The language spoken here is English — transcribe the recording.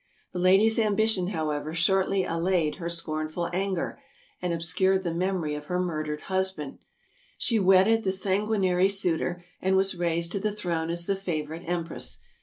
ASIA 313 The lady's ambition, however, shortly allayed her scorn ful anger and obscured the memory of her murdered hus band. She wedded the sanguinary suitor, and was raised to the throne as the favorite Empress.